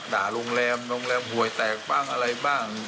ด่าโรงแรมโรงแรมหวยแตกบ้างอะไรบ้าง